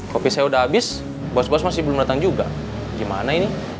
kopi saya udah habis bos bos masih belum datang juga gimana ini